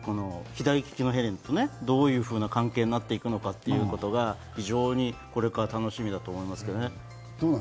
左ききのエレンとどういうふうな関係になっていくかというのが非常にこれから楽しみだと思いますけどね。